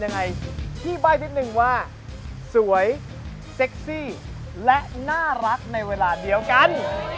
ยังไงที่ติดซุ้ยเซ็ร์ซี่และน่ารักในเวลาเดียวกัน